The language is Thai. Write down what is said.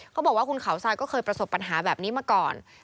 เขาบอกว่าคุณเขาทรายก็เคยประสบปัญหาแบบนี้มาก่อน